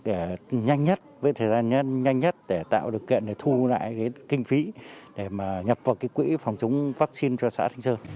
để nhanh nhất với thời gian nhanh nhất để tạo được kiện để thu lại kinh phí để nhập vào quỹ phòng chống vaccine cho xã thành sơn